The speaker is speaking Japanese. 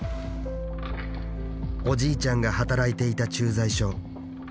おじいちゃんが働いていた駐在所。